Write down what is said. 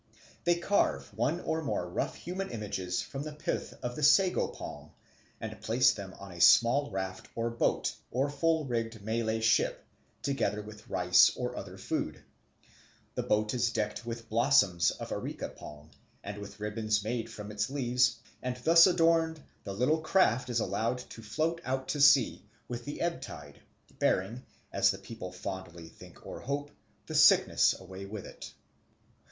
They carve one or more rough human images from the pith of the sago palm and place them on a small raft or boat or full rigged Malay ship together with rice and other food. The boat is decked with blossoms of the areca palm and with ribbons made from its leaves, and thus adorned the little craft is allowed to float out to sea with the ebb tide, bearing, as the people fondly think or hope, the sickness away with it.